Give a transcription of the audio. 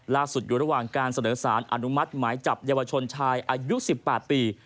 อยู่ระหว่างการเสนอสารอนุมัติหมายจับเยาวชนชายอายุ๑๘ปี